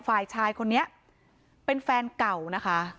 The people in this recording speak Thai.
ฝ่ายชายคนนี้เป็นแฟนเก่านะคะ